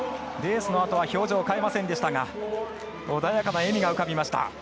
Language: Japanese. レースのあとは表情を変えませんでしたが穏やかな笑みが浮かびました。